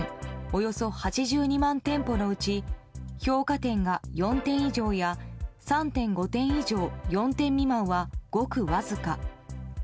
およそ８２万店舗のうち評価点が４点以上や３．５点以上４点未満はごくわずか。